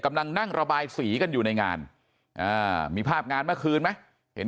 กำลังนั่งระบายสีกันอยู่ในงานมีภาพงานเมื่อคืนไหมเห็น